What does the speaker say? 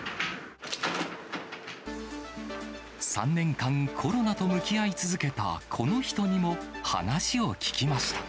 ３年間、コロナと向き合い続けたこの人にも話を聞きました。